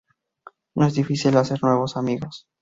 No es difícil hacer nuevos amigos.